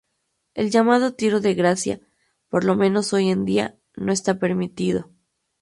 El llamado tiro de gracia, por lo menos hoy en día, no esta permitido.